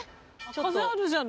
風あるじゃない。